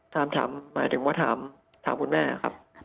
ถามหมายถึงว่าถามคุณแม่ครับ